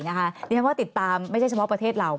ดิฉันว่าติดตามไม่ใช่เฉพาะประเทศเรา